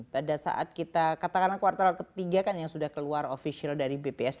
pada saat kita katakan kuartal ketiga kan yang sudah keluar official dari bps